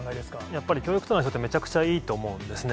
やっぱり教育にとってはめちゃくちゃいいと思うんですよね。